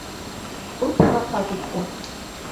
Ул ҡунаҡҡа китте.